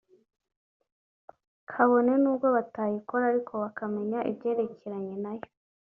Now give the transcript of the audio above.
kabone n’ubwo batayikora ariko bakamenya ibyerekeranye nayo